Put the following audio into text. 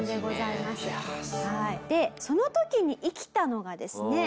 でその時に生きたのがですね